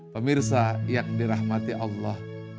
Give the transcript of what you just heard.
pemirsa yang dirahmati allah